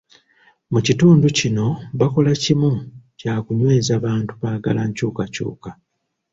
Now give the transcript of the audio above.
Mu kitundu kino, bakola kimu kyakunyweza bantu baagala nkyukakyuka.